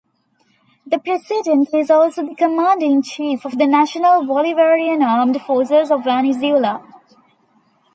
The president is also the commander-in-chief of the National Bolivarian Armed Forces of Venezuela.